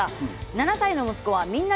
７歳の息子は「みんな！